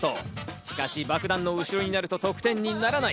しかし爆弾の後ろになると得点にならない。